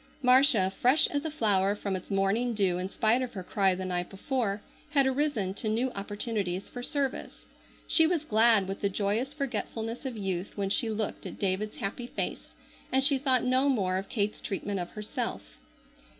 Marcia, fresh as a flower from its morning dew in spite of her cry the night before, had arisen to new opportunities for service. She was glad with the joyous forgetfulness of youth when she looked at David's happy face, and she thought no more of Kate's treatment of herself.